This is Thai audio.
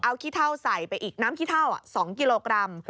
เอาขี้เท่าใส่ไปอีกน้ำขี้เท่า๒กิโลกรัม